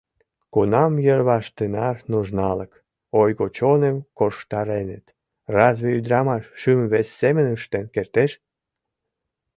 Кунам йырваш тынар нужналык, ойго чоным корштареныт, разве ӱдырамаш шӱм вес семын ыштен кертеш.